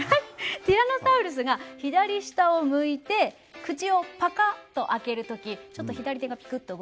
ティラノサウルスが左下を向いて口をパカッと開ける時ちょっと左手がピクッと動くんですけどそこです